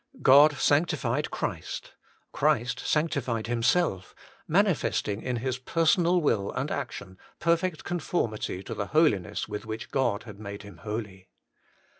God sanctified Christ : Christ sancti fied Himself, manifesting in His personal will and action perfect conformity to the Holiness with which God had made Him holy.